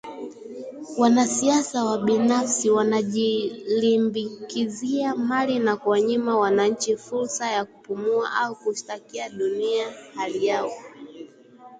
Wanasiasa wabinafsi wanajilimbikizia mali na kuwanyima wananchi fursa ya kupumua au kushtakia dunia hali yao